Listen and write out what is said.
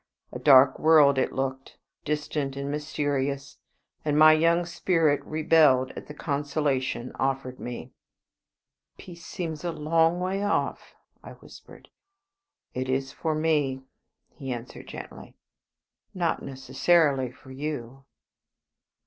A dark world it looked, distant and mysterious, and my young spirit rebelled at the consolation offered me. "Peace seems a long way off," I whispered. "It is for me," he answered, gently; "not necessarily for you."